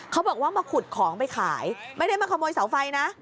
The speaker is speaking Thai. เขาบอกว่ามาขุดของไปขายไม่ได้มาขโมยเสาไฟนะ